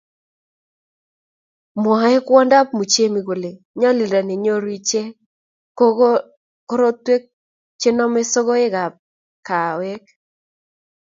mwoei kwondab Muchemi kole nyalilda nenyoru ichek ko korotwek chenomei sokekab kaawek